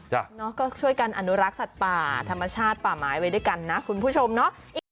ก็ช่วยกันอนุรักษ์สัตว์ป่าธรรมชาติป่าไม้ไว้ด้วยกันนะคุณผู้ชมเนาะ